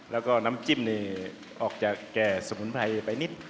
แล้วก็น้ำจิ้มนี่ออกจากแก่สมุนไพรไปนิด